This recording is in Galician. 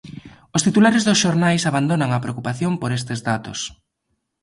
Os titulares dos xornais abandonan a preocupación por estes datos.